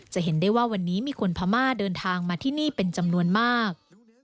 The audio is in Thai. เห็นได้ว่าวันนี้มีคนพม่าเดินทางมาที่นี่เป็นจำนวนมาก